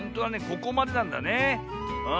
ここまでなんだねえ。